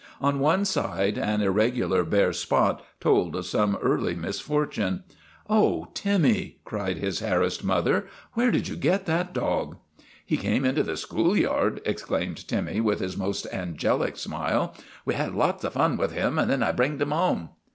On one side an irregular bare spot told of some early misfor tune. " Oh, Timmy !' cried his harassed mother. " Where did you get that dog? ' 1 He came into the school yard," explained Timmy, with his most angelic smile. " We had lots of fun with him and then I bringed him home."